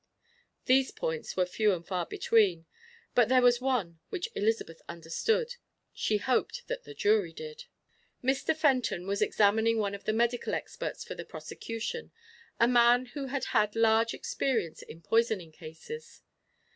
These points were few and far between. But there was one which Elizabeth understood she hoped that the jury did. Mr. Fenton was examining one of the medical experts for the prosecution, a man who had had large experience in poisoning cases.